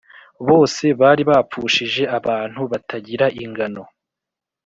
Bose bari bapfushije abantu batagira ingano